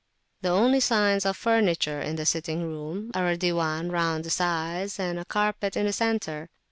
The only signs of furniture in the sitting room are a Diwan[FN#15] round the sides and a carpet in the centre.